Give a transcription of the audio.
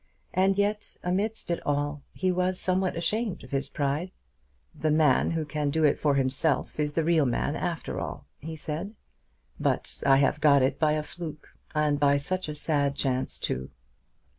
And yet amidst it all he was somewhat ashamed of his pride. "The man who can do it for himself is the real man after all," he said. "But I have got it by a fluke, and by such a sad chance too!"